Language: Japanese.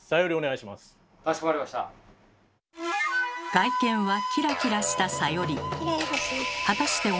外見はキラキラしたサヨリ。